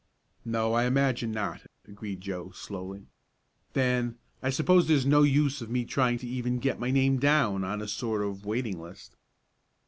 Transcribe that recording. "No, I imagine not," agreed Joe, slowly. "Then, I suppose there's no use of me trying to even get my name down on a sort of waiting list."